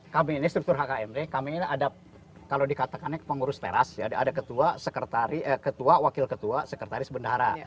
kami ini struktur hkmd kami ini ada kalau dikatakannya pengurus teras ada ketua wakil ketua sekretaris bendara